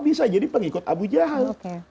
bisa jadi pengikut abu jahat